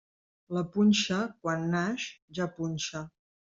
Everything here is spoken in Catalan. La punxa, quan naix, ja punxa.